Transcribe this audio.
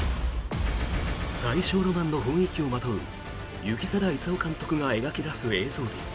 大正ロマンの雰囲気をまとう行定勲監督が描き出す映像美。